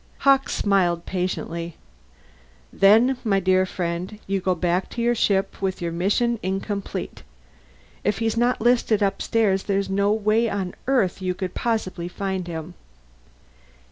Hawkes smiled patiently. "Then, my dear friend, you go back to your ship with your mission incomplete. If he's not listed upstairs, there's no way on Earth you could possibly find him."